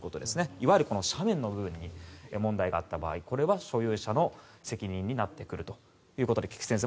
いわゆる斜面の部分に問題があった場合これは所有者の責任になってくるということで菊地先生